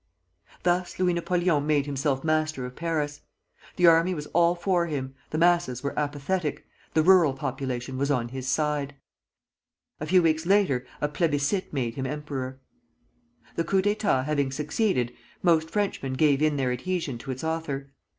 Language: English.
Thus Louis Napoleon made himself master of Paris. The army was all for him, the masses were apathetic, the rural population was on his side. A few weeks later a plébiscite made him emperor. The coup d'état having succeeded, most Frenchmen gave in their adhesion to its author.